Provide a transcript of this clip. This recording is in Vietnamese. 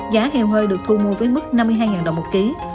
giá heo hơi được thu mua với mức năm mươi hai đồng một ký